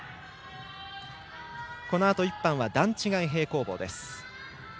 このあと１班は段違い平行棒です。